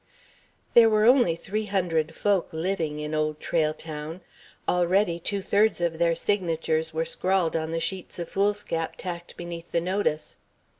There were only three hundred folk living in Old Trail Town. Already two thirds of their signatures were scrawled on the sheets of foolscap tacked beneath the notice.